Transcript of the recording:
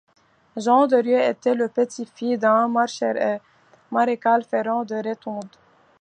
Jean de Rieux était le petit-fils d'un maréchal-ferrant de Rethondes.